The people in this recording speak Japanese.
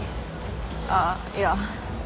あっいや。